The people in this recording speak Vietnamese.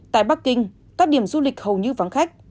tại bắc kinh các điểm du lịch hầu như vắng khách